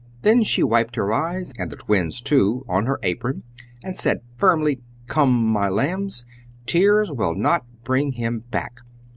Then she wiped her eyes, and the Twins' too, on her apron, and said firmly: "Come, my lambs! Tears will not bring him back!